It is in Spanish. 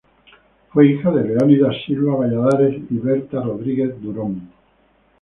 Fue hija de Leónidas Silva Valladares y Bertha Rodríguez Durón.